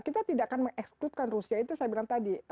kita tidak akan mengekskrutkan rusia itu saya bilang tadi